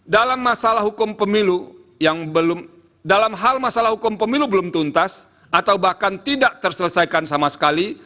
dalam hal masalah hukum pemilu belum tuntas atau bahkan tidak terselesaikan sama sekali